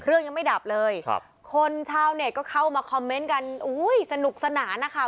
เครื่องยังไม่ดับเลยครับคนชาวเน็ตก็เข้ามาคอมเมนต์กันอุ้ยสนุกสนานนะคะ